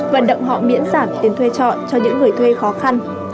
vận động họ miễn giảm tiền thuê trọ cho những người thuê khó khăn